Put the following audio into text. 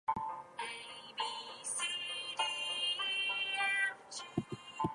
Upon leaving the park, the highway heads west towards the Salem area.